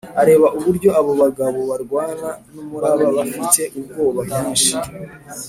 areba uburyo abo bagabo barwana n’umuraba bafite ubwoba bwinshi